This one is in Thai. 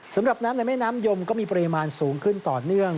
สำหรับน้ำในแม่น้ำยมก็มีปริมาณสูงขึ้นต่อเนื่อง